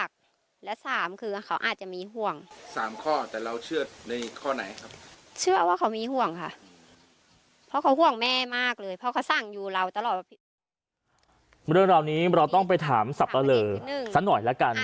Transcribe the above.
เรื่องราวนี้เราต้องไปถามสับปะเลอสักหน่อยละกัน